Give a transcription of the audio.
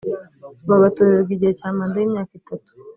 bagatorerwa igihe cya manda y imyaka itatu